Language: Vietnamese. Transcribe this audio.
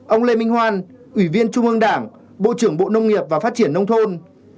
ông lê minh hoan ủy viên trung ương đảng bộ trưởng bộ nông nghiệp và phát triển nông thôn